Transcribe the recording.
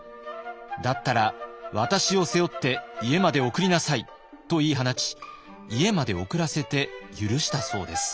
「だったら私を背負って家まで送りなさい」と言い放ち家まで送らせて許したそうです。